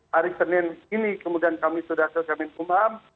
hari senin ini kemudian kami sudah selesai minum umat